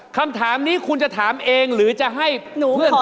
คำถามนี้คุณจะถามเองหรือจะให้เพื่อน